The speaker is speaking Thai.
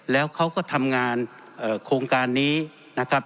แล้วเขาก็ทำงานโครงการนี้นะครับ